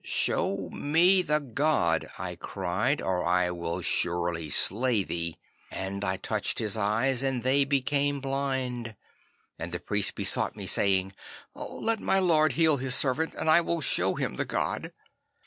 '"Show me the god," I cried, "or I will surely slay thee." And I touched his eyes, and they became blind. 'And the priest besought me, saying, "Let my lord heal his servant, and I will show him the god."